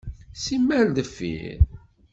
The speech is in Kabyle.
Simmal ar deffir.